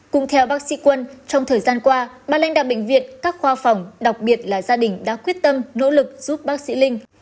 cùng theo bác sĩ quân trong thời gian qua ba lãnh đạo bệnh viện các khoa phòng đặc biệt là gia đình đã quyết tâm nỗ lực giúp bác sĩ linh